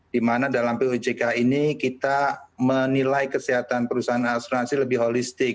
dimana dalam pojk ini kita menilai kesehatan perusahaan asuransi lebih holistik